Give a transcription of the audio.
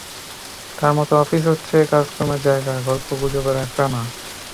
তাঁর মতে অফিস হচ্ছে কাজকর্মের জায়গা, গল্পগুজবের আখড়া না।